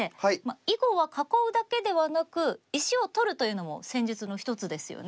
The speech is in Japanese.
囲碁は囲うだけではなく石を取るというのも戦術の一つですよね。